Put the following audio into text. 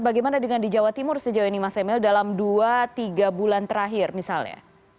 bagaimana dengan di jawa timur sejauh ini mas emil dalam dua tiga bulan terakhir misalnya